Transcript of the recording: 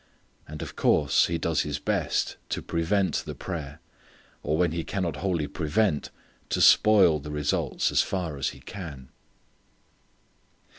And of course he does his best to prevent the prayer, or when he cannot wholly prevent, to spoil the results as far as he can.